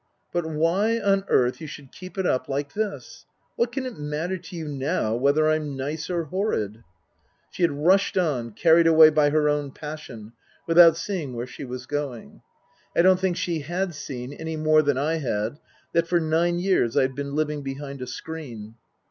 But why on earth you should keep it up like this ! What can it matter to you now whether I'm nice or horrid ?" She had rushed on, carried away by her own passion, without seeing where she was going. I don't think she had seen, any more than I had, that for nine years I had been living behind a screen.